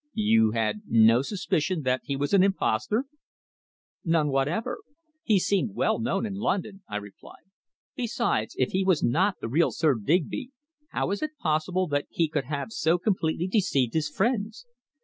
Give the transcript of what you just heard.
"You had no suspicion that he was an impostor?" "None whatever. He seemed well known in London," I replied. "Besides, if he was not the real Sir Digby, how is it possible that he could have so completely deceived his friends!